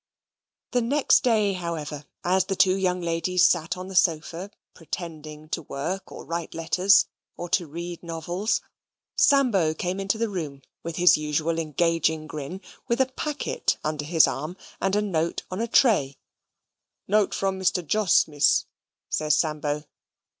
The next day, however, as the two young ladies sate on the sofa, pretending to work, or to write letters, or to read novels, Sambo came into the room with his usual engaging grin, with a packet under his arm, and a note on a tray. "Note from Mr. Jos, Miss," says Sambo.